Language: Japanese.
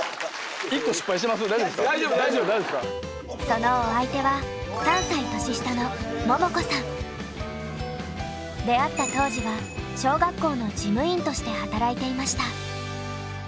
そのお相手は３歳年下の出会った当時は小学校の事務員として働いていました。